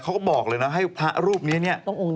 เขาบอกเลยนะให้พระรูปนี้เนี่ย